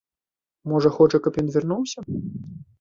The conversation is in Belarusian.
Можа, хоча, каб ён вярнуўся?